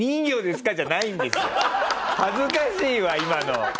恥ずかしいわ今の。